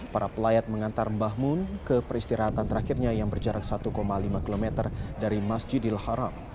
para pelayat mengantar mbah mun ke peristirahatan terakhirnya yang berjarak satu lima km dari masjidil haram